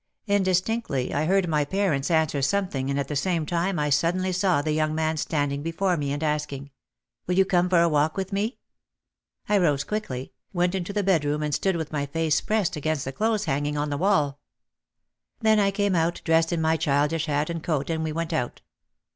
Indistinctly I heard my parents answer something and at the same time I suddenly saw the young man standing before me and asking: "Will you come for a walk with me?" I rose quickly, went into the bedroom and stood with my face pressed against the clothes hang ing on the wall. Then I came out dressed in my childish hat and coat and we went out.